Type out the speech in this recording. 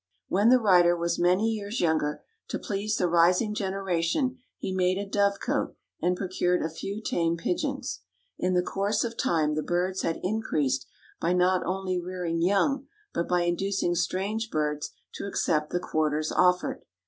When the writer was many years younger, to please the rising generation he made a dove cote and procured a few tame pigeons. In the course of time the birds had increased by not only rearing young, but by inducing strange birds to accept the quarters offered.